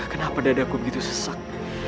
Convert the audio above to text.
kenapa dadaku begitu sesak